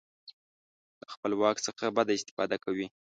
له خپل واک څخه بده استفاده کوي.